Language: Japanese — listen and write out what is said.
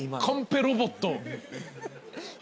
カンペロボット。